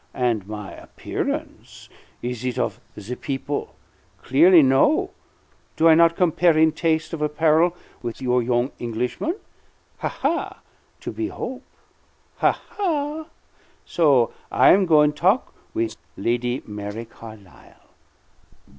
And my appearance, is it of the people? Clearly, no. Do I not compare in taste of apparel with your yo'ng Englishman? Ha, ha! To be hope'. Ha, ha! So I am goin' talk with Lady Mary Carlisle."